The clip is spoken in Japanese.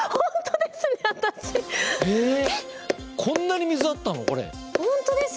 こんなに水あったの？